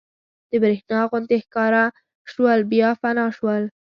د برېښنا غوندې ښکاره شول بیا فنا شول.